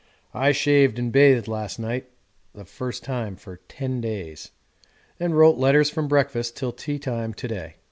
I shaved and bathed last night (the first time for 10 days) and wrote letters from breakfast till tea time to day.